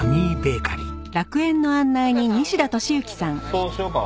そうしようか。